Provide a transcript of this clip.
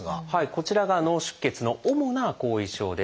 こちらが脳出血の主な後遺症です。